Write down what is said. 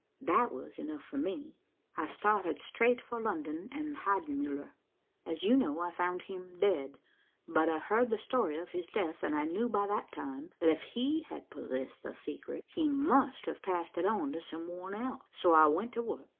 That was enough for me; I started straight for London and Heidenmuller. As you know, I found him dead, but I heard the story of his death and I knew by that time that if he had possessed the secret, he must have passed it on to some one else. So I went to work.